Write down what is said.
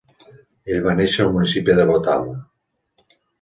Ell va néixer al municipi de Botale.